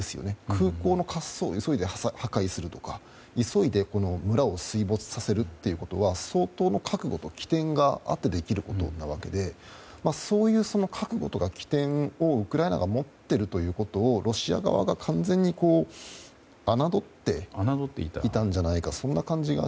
空港の滑走路を急いで破壊するとか、急いで村を水没させるということは相当の覚悟と、機転があってできることなわけでそういう覚悟とか機転をウクライナが持っているということをロシア側が完全に侮っていたんじゃないか。